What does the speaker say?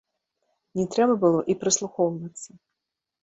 Не трэба было і прыслухоўвацца.